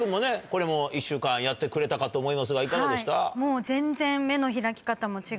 やってくれたかと思いますがいかがでした？